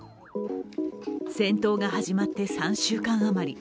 戦闘が始まって３週間余り。